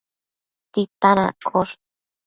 titan accosh